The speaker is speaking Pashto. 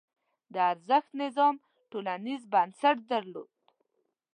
د ارزښت نظام ټولنیز بنسټ درلود.